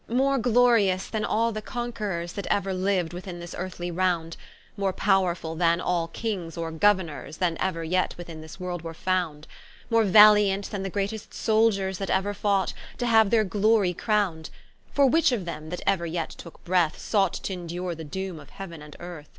More glorious than all the Conquerors That euer liu'd within this Earthly round, More powrefull than all Kings, or Gouernours That euer yet within this World were found; More valiant than the greatest Souldiers That euer fought, to haue their glory crown'd: For which of them, that euer yet tooke breath, Sought t'indure the doome of Heauen and Earth?